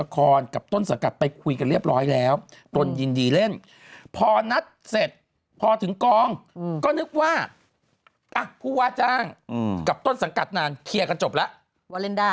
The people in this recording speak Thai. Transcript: ก็นึกว่าอ่ะผู้ว่าจ้างกับต้นสังกัดนานเคียร์กันจบแล้ว